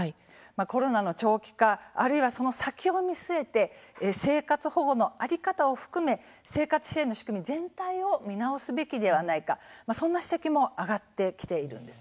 コロナの長期化あるいはその先を見据えて生活保護の在り方を含め生活支援の仕組み全体を見直すべきではないかそんな指摘も上がってきているんです。